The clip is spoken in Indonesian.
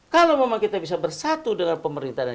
kalau memang kita bisa bersatu dengan pemerintahan